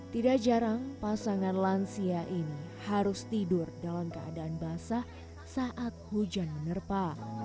tidak jarang pasangan lansia ini harus tidur dalam keadaan basah saat hujan menerpa